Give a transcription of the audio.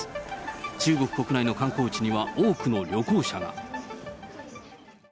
中国国内の観光地には多くの旅行者が。